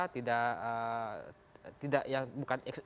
tidak yang bukan